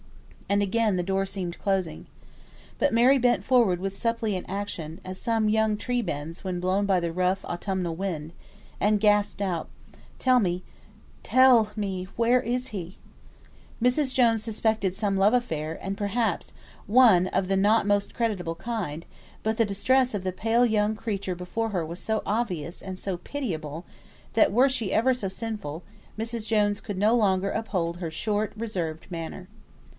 And again the door seemed closing. But Mary bent forwards with suppliant action (as some young tree bends, when blown by the rough, autumnal wind), and gasped out, "Tell me tell me where is he?" Mrs. Jones suspected some love affair, and, perhaps, one of not the most creditable kind; but the distress of the pale young creature before her was so obvious and so pitiable, that were she ever so sinful, Mrs. Jones could no longer uphold her short, reserved manner.